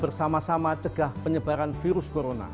bersama sama cegah penyebaran virus corona